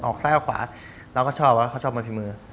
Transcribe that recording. ออกซ้ายขวาแล้วก็ชอบก็ชอบมาพริมือ